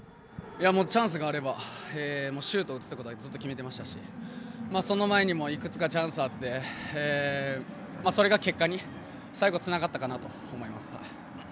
チャンスがあればシュートを打つとずっと決めていましたしその前にもいくつかチャンスがあってそれが結果に最後つながったと思います。